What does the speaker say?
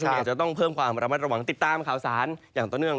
ซึ่งอาจจะต้องเพิ่มความระมัดระวังติดตามข่าวสารอย่างต่อเนื่อง